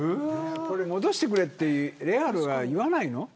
戻してくれってレアルは言わないの。